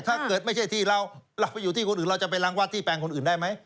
ถ้าเกิดไม่ใช่ที่เราเราไปอยู่ที่คนอื่นเราจะไปรังวัดที่แปลงคนอื่นได้ไหม